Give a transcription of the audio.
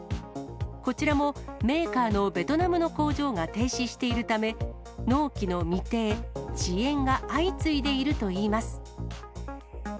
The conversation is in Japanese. こちらもメーカーのベトナムの工場が停止しているため、納期の未定、遅延が相次いでいるといいます。